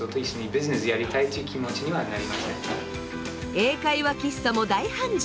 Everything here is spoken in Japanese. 英会話喫茶も大繁盛。